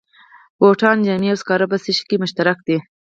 بوټان، جامې او سکاره په څه شي کې مشترک دي